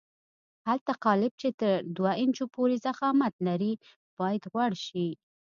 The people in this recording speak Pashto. هغه قالب چې تر دوه انچو پورې ضخامت لري باید غوړ شي.